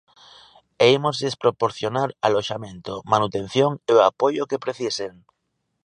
E ímoslles proporcionar aloxamento, manutención e o apoio que precisen.